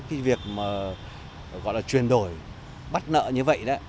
cái việc mà gọi là truyền đổi bắt nợ như vậy